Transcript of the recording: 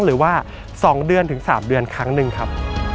หรือว่า๒เดือนถึง๓เดือนครั้งหนึ่งครับ